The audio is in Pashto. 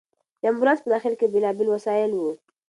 د امبولانس په داخل کې بېلابېل وسایل وو.